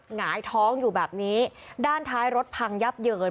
หงายท้องอยู่แบบนี้ด้านท้ายรถพังยับเยิน